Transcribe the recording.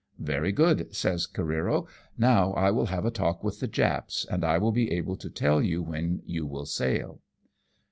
"Very good," says Careero. "Now I will have a talk with the Japs, and I will be able to tell you when you will sail."